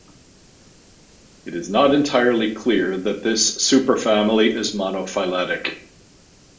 It is not entirely clear that this superfamily is monophyletic.